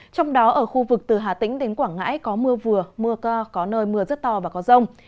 trong đó ở khu vực từ hà tĩnh đến quảng ngãi có mưa vừa mưa có nơi mưa rất to và có rông